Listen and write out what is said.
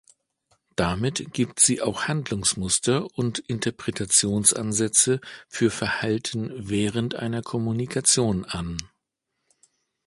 Damit gibt sie auch Handlungsmuster und Interpretationsansätze für Verhalten während einer Kommunikation an.